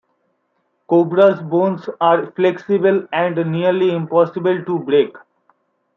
Cobra's bones are flexible and nearly impossible to break.